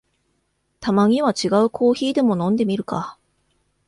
たまには違うコーヒーでも飲んでみるか